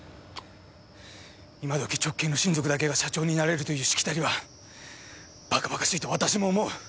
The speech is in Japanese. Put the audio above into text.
今時直系の親族だけが社長になれるというしきたりはバカバカしいと私も思う。